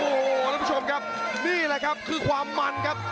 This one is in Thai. โอ้โหท่านผู้ชมครับนี่แหละครับคือความมันครับ